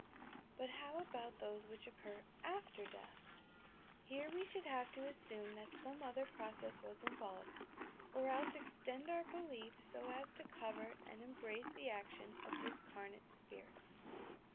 But how about those which oeeur after death I Here we should have to assume that some other process was involved, or else extend our belief so as to cover and embrace the action of discarnate spirits.